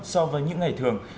so với những ngày thường